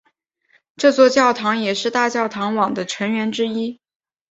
这座教堂也是大教堂网的成员之一。